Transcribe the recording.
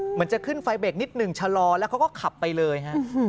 เหมือนจะขึ้นไฟเบรกนิดหนึ่งชะลอแล้วเขาก็ขับไปเลยฮะ